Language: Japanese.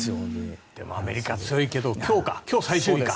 アメリカ強いけど今日最終日か。